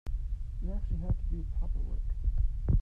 You actually have to do proper work.